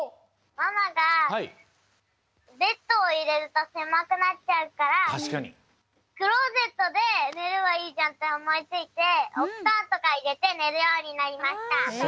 ママがベッドをいれるとせまくなっちゃうからクローゼットで寝ればいいじゃんって思いついておふとんとかいれて寝るようになりました！